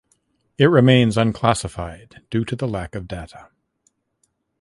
It remains unclassified due to the lack of data.